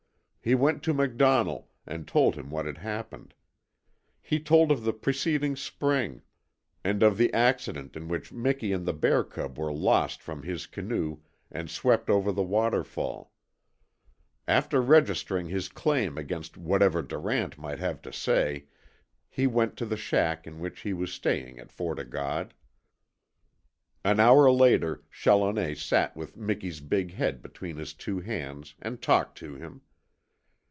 He went to MacDonnell, and told him what had happened. He told of the preceding spring, and of the accident in which Miki and the bear cub were lost from his canoe and swept over the waterfall. After registering his claim against whatever Durant might have to say he went to the shack in which he was staying at Fort 0' God. An hour later Challoner sat with Miki's big head between his two hands, and talked to him.